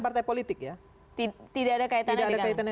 partai politik ya tidak ada kaitannya